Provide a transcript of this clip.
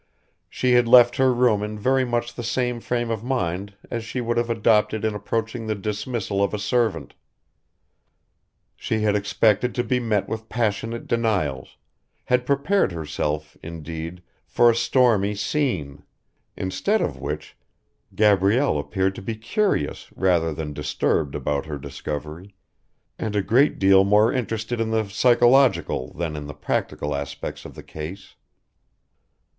She had left her room in very much the same frame of mind as she would have adopted in approaching the dismissal of a servant. She had expected to be met with passionate denials, had prepared herself, indeed, for a stormy "scene"; instead of which Gabrielle appeared to be curious rather than disturbed about her discovery, and a great deal more interested in the psychological than in the practical aspects of the case.